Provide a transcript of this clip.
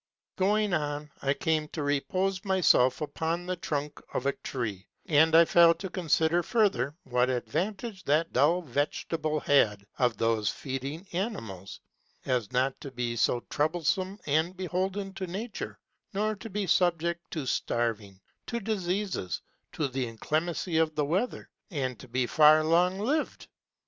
Going on, I came to repose myself upon the trunk of a Tree, and I fell to consider further what advantage that dull Vegetable had of those feeding Animals, as not to be so troublesome and beholden to Nature, nor to be subject to starving, to diseases, to the inclemency of the weather, and to be far longer liv'd.